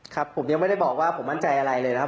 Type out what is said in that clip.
ผมยังไม่ได้บอกว่าผมมั่นใจอะไรเลยนะครับ